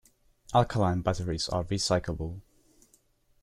Alkaline batteries are recyclable.